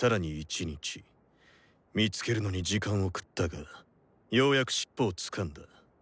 見つけるのに時間を食ったがようやく尻尾をつかんだ。